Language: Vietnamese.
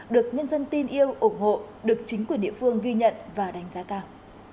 được nhân dân tin yêu ủng hộ được chính quyền địa phương ghi nhận và đánh giá cao